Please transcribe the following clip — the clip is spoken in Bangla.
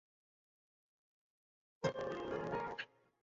আমি সেদিন প্রচুদ মদ খেয়েছিলাম।